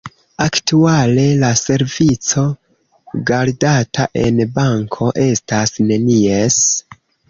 Aktuale la servico, gardata en banko, estas nenies.